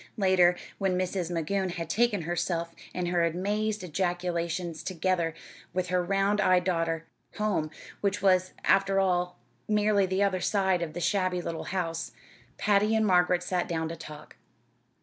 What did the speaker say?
Later, when Mrs. Magoon had taken herself and her amazed ejaculations, together with her round eyed daughter, home which was, after all, merely the other side of the shabby little house Patty and Margaret sat down to talk.